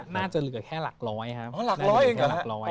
น่าจะเหลือแค่หลักร้อย